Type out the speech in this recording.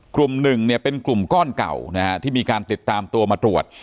กลุ่ม๑เป็นกลุ่มก้อนเก่าที่มีการติดตามตัวมาตรวจ